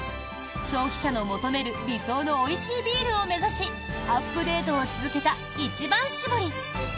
消費者の求める理想のおいしいビールを目指しアップデートを続けた一番搾り。